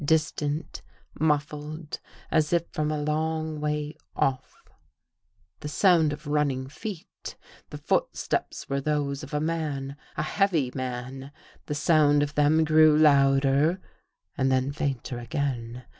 Distant, muffled, as if from a long way off, the sound of running feet. The footsteps were those of a man — a heavy man. The sound of them grew louder and then fainter again.